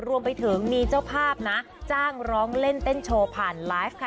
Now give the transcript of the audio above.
รวมไปถึงมีเจ้าภาพนะจ้างร้องเล่นเต้นโชว์ผ่านไลฟ์ค่ะ